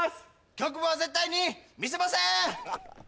局部は絶対に見せません！